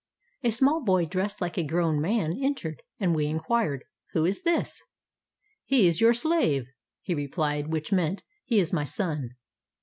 A small boy dressed like a grown man entered, and we inquired, "Who is this?" "He is your slave," he replied; which meant, "He is my son."